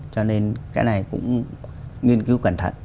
cho nên cái này cũng nghiên cứu cẩn thận